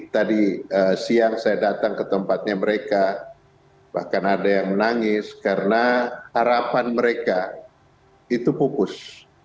tadi siang saya datang ke tempatnya mereka bahkan ada yang menangis karena harapan mereka itu pupus